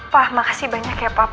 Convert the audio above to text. pak makasih banyak ya papa